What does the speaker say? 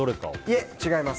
いえ、違います。